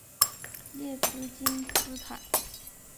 列兹金斯坦。